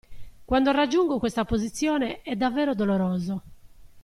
Quando raggiungo questa posizione, è davvero doloroso.